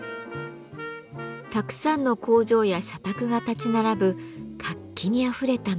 たくさんの工場や社宅が立ち並ぶ活気にあふれた街。